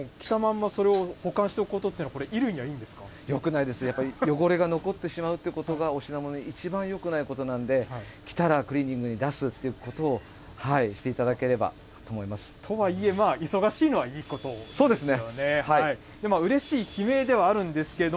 これ、でも、着たまんまそれを保管しておくことっていうのは、よくないです、やっぱり汚れが残ってしまうということがお品物にいちばんよくないことなので、着たらクリーニングに出すということをしていただければと思いまとはいえ、忙しいのはいいことですよね。